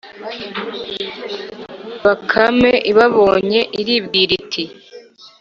Bakame ibabonye, iribwira iti: